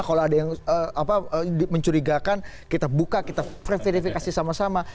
kalau ada yang mencurigakan kita buka kita verifikasi sama sama